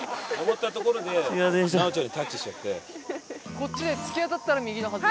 こっちで突き当たったら右のはず。